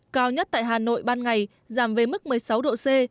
cao nhất tại hà nội ban ngày giảm về mức một mươi sáu độ c